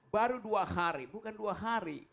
baru dua hari bukan dua hari